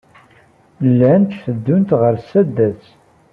Llant tteddunt ɣer sdat.